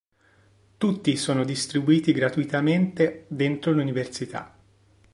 Tutti sono distribuiti gratuitamente dentro l'Università.